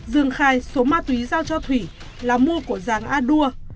dương khai số ma túy giao cho thủy là mua của giàng a đua